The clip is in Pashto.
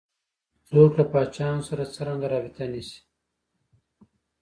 څوک له پاچاهانو سره څرنګه رابطه نیسي.